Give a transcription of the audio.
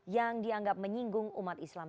yang dianggap menyinggung umat islam